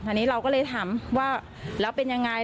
ทีนี้เราก็เลยถามว่าแล้วเป็นยังไง